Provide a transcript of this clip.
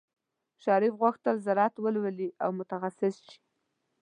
شریف غوښتل زراعت ولولي او متخصص شي.